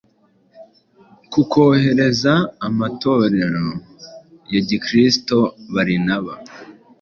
ku koherereza amatorero ya Gikristo Barinaba